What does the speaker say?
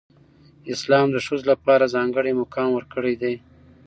اسلام د ښځو لپاره ځانګړی مقام ورکړی دی.